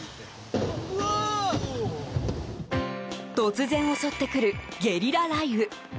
突然、襲ってくるゲリラ雷雨。